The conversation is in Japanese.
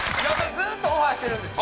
ずっとオファーしてるんですよ。